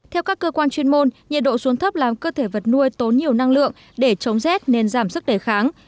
theo các cơ quan chuyên môn nhiệt độ xuống thấp làm cơ thể vật nuôi tốn nhiều năng lượng để chống rét nên giảm sức đề kháng